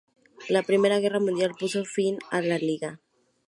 La primera guerra mundial puso fin a la liga.